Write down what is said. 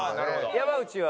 山内は？